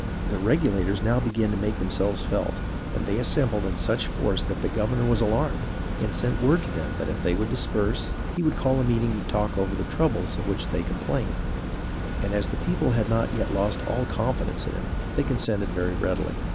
The Regulators now began to make themselves felt, and they assembled in such force that the governor was alarmed and sent word to them that if they would disperse he would call a meeting to talk over the troubles of which they complained ; and as the people had not yet lost all confidence in him, they consented very readily.